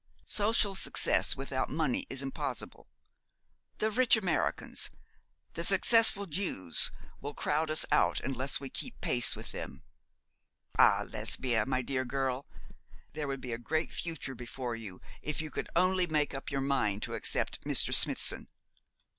Social success without money is impossible. The rich Americans, the successful Jews, will crowd us out unless we keep pace with them. Ah, Lesbia, my dear girl, there would be a great future before you if you could only make up your mind to accept Mr. Smithson.'